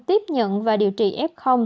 tiếp nhận và điều kiện tự cách ly tại nhà